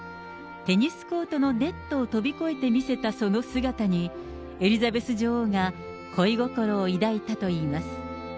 テニスコートのネットを飛び越えて見せたその姿に、エリザベス女王が恋心を抱いたといいます。